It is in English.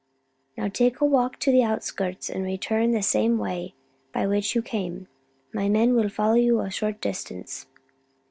"Now take a walk to the outskirts, and return the same way by which you came. My men will follow you at a short distance."